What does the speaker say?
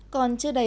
còn chưa đây